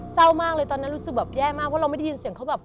เศร้ามากเลยตอนนั้นรู้สึกแบบแย่มากเพราะเราไม่ได้ยินเสียงเขาแบบ